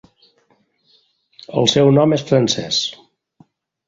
El seu nom és francès.